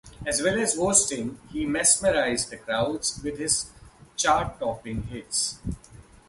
As well as hosting, he mesmerised the crowds with his charttoping hits.